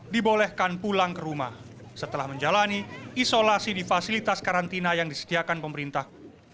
dibolehkan pulang ke rumah setelah menjalani isolasi di fasilitas karantina yang disediakan pemerintah